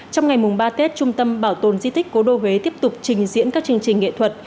trong ngày mùng ba tết trung tâm bảo tồn di tích cố đô huế tiếp tục trình diễn các chương trình nghệ thuật